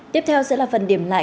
tiếp theo sẽ là phần điểm lại